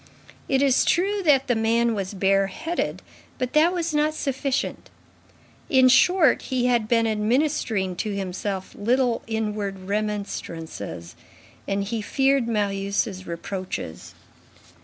It is true that the man was bareheaded, but that was not sufficient. In short, he had been administering to himself little inward remonstrances and he feared Marius' reproaches.